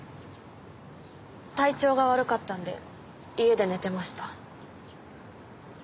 体調が悪かったんで家で寝てました。